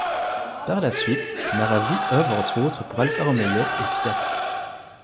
Par la suite, Marazzi œuvre entre autres pour Alfa Romeo et Fiat.